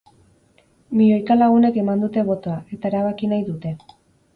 Milioika lagunek eman dute botoa, eta erabaki nahi dute.